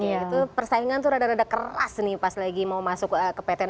itu persaingan tuh rada rada keras nih pas lagi mau masuk ke ptn